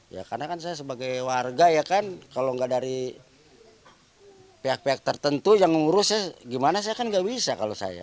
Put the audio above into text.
ya karena kan saya sebagai warga ya kan kalau nggak dari pihak pihak tertentu yang mengurus ya gimana saya kan nggak bisa kalau saya